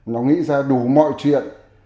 nó nghĩ ra đủ mọi chuyện